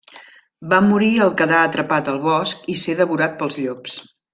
Va morir al quedar atrapat al bosc i ser devorat pels llops.